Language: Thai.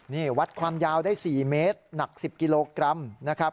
นี่วัดความยาวได้๔เมตรหนัก๑๐กิโลกรัมนะครับ